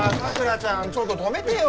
ちょっと止めてよ